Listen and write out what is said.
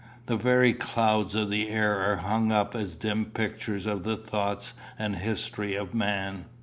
The very clouds of the air are hung up as dim pictures of the thoughts and history of man."